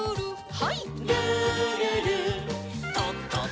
はい。